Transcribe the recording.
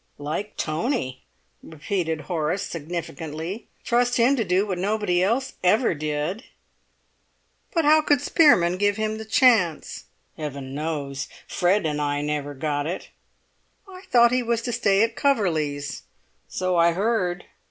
"Like Tony," repeated Horace significantly. "Trust him to do what nobody else ever did." "But how could Spearman give him the chance?" "Heaven knows! Fred and I never got it." "I thought he was to stay at Coverley's?" "So I heard."